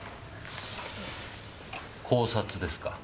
絞殺ですか？